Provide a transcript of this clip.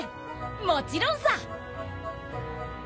もちろんさ！